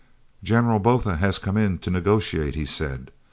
"General Botha has come in 'to negotiate,'" he said.